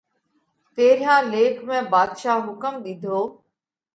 پيرهيان ليک ۾ ڀاڌشا حُڪم ۮِيڌو